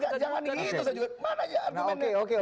ya jangan jangan gitu mana aja argumennya